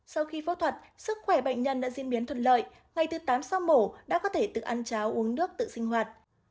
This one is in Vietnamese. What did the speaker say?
sau khi phẫu thuật sức khỏe bệnh nhân đã diễn biến thuật lợi ngày thứ tám sau mổ đã có thể tự ăn cháo uống nước tự sinh hoạt